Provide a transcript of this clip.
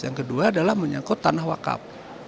yang kedua adalah menyangkut tanah wakaf